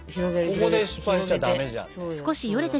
ここで失敗しちゃダメじゃんね。